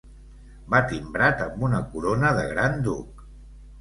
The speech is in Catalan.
Va timbrat amb una corona de gran duc.